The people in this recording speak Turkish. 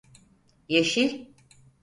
Yeşil?